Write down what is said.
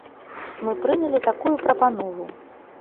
Мы прынялі такую прапанову.